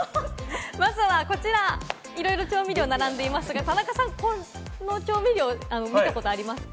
まずはこちら、いろいろ調味料並んでいますが、田中さん、この調味料を見たことありますか？